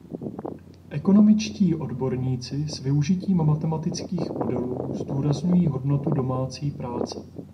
Ekonomičtí odborníci s využitím matematických modelů zdůrazňují hodnotu domácí práce.